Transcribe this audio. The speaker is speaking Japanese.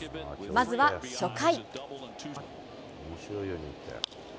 まずは初回。